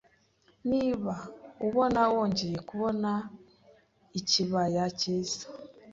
Niba ubona wongeye kubona ikibaya cyiza